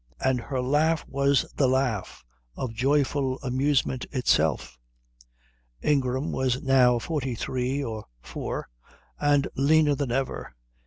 And her laugh was the laugh of joyful amusement itself. Ingram was now forty three or four, and leaner than ever.